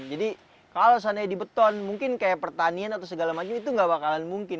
jadi kalau seandainya di beton mungkin kayak pertanian atau segala macam itu nggak bakalan mungkin